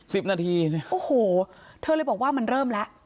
สิบนาทีสิโอ้โหเธอเลยบอกว่ามันเริ่มแล้ว